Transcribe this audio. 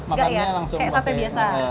makannya langsung pakai kayak sate biasa